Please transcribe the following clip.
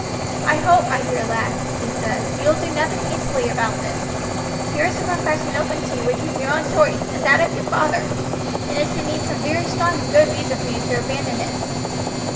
"I hope, my dear lad," he said, "you will do nothing hastily about this. Here is a profession open to you which is your own choice and that of your father, and it should need some very strong and good reason for you to abandon it.